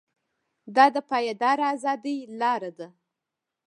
دا د پایداره ازادۍ لاره ده.